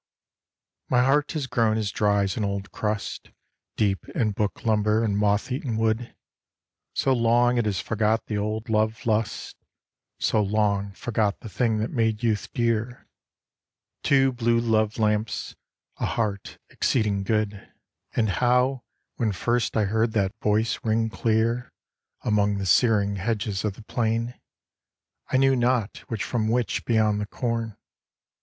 My heart has grown as dry as an old crust, Deep in book lumber and moth eaten wood. So long it has forgot the old love lust, So long forgot the thing that made youth dear, Two blue love lamps, a heart exceeding good. 86 AN OLD PAIN And how, when first I heard that voice ring clear Among the sering hedges of the plain, I knew not which from which beyond the corn.